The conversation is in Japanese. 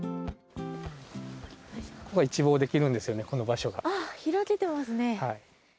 ここが一望できるんですよ、あー、開けてますね。